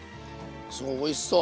すごいおいしそう！